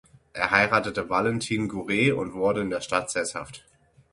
Er heiratete Valentine Guerre und wurde in der Stadt sesshaft.